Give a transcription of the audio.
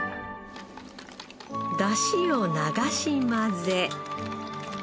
出汁を流し混ぜ